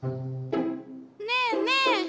ねえねえ？